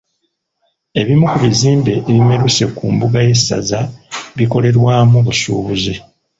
Ebimu ku bizimbe ebimeruse ku mbuga y’essaza bikolerwamu busuubuzi.